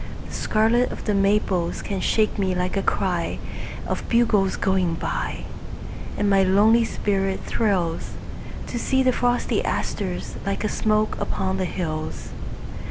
The scarlet of the maples can shake me like a cryOf bugles going by. And my lonely spirit thrillsTo see the frosty asters like a smoke upon the hills.